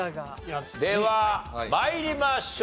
では参りましょう。